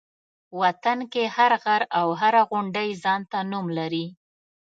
وطن کې هر غر او هره غونډۍ ځان ته نوم لري.